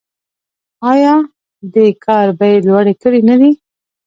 آیا دې کار بیې لوړې کړې نه دي؟